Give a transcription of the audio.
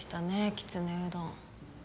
きつねうどん。